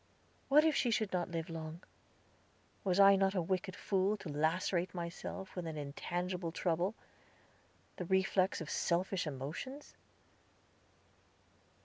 What if she should not live long? Was I not a wicked fool to lacerate myself with an intangible trouble the reflex of selfish emotions?